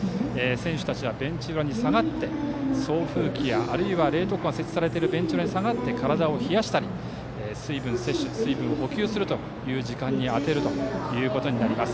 選手たちはベンチ裏に下がって送風機やあるいは冷凍庫が設置されているベンチ裏に下がって体を冷やしたり水分を補給するという時間に充てることになります。